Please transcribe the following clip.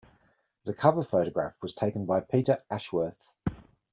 The cover photograph was taken by Peter Ashworth.